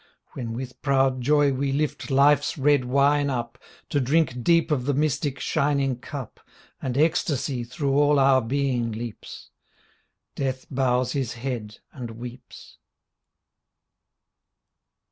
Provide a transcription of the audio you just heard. When with proud joy we lift Life's red wine up To drink deep of the mystic shining cup And ecstasy through all our being leaps — Death bows his head and weeps.